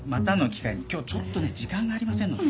今日ちょっとね時間がありませんので。